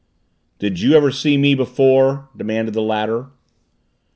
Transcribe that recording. "Did you ever see me before?" demanded the latter.